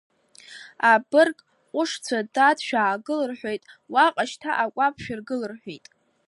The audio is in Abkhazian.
Абырг ҟәышцәа, дад, шәаагыл рҳәеит, уаҟа шьҭа акәаԥ шәыргыл рҳәеит.